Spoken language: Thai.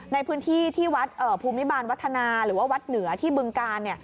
ในพื้นที่ที่วัดภูมิบาลวัฒนาหรือว่าวัดเหนือที่บึงกาล